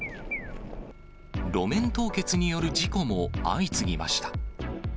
路面凍結による事故も相次ぎました。